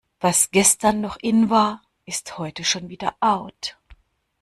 Was gestern noch in war, ist heute schon wieder out.